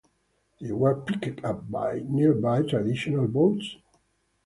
They were picked up by nearby traditional boats.